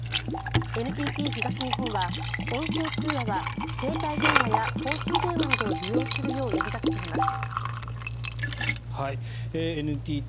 ＮＴＴ東日本は、音声通話は携帯電話や公衆電話などを利用するよう呼びかけています。